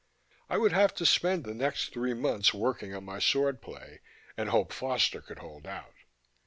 I would have to spend the next three months working on my swordplay, and hope Foster could hold out.